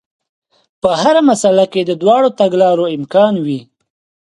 په هره مسئله کې د دواړو تګلارو امکان وي.